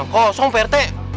gak dicongkel kosong pak rt